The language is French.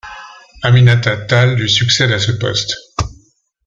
Aminata Tall lui succède à ce poste.